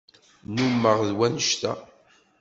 Nnumeɣ d wannect-a.